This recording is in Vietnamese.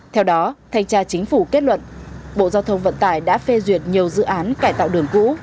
theo đó thanh tra chính phủ kết luận bộ giao thông vận tải đã phê duyệt nhiều dự án cải tạo đường cũ